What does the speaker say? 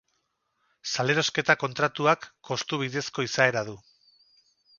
Salerosketa kontratuak kostu-bidezko izaera du.